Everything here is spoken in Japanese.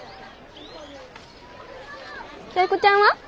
タイ子ちゃんは？